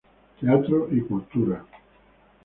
Teatro y Cultura.